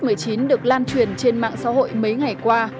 covid một mươi chín được lan truyền trên mạng xã hội mấy ngày qua